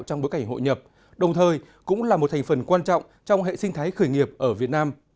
trong bối cảnh hội nhập đồng thời cũng là một thành phần quan trọng trong hệ sinh thái khởi nghiệp ở việt nam